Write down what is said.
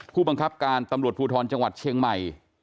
ผู้บังคับการตำรวจภูทรจังหวัดเชียงใหม่